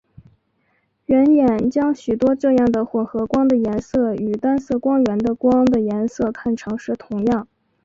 人眼将许多这样的混合光的颜色与单色光源的光的颜色看成是同样。